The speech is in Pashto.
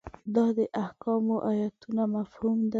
دا د احکامو ایتونو مفهوم ده.